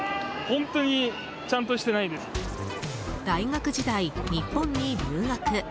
大学時代、日本に留学。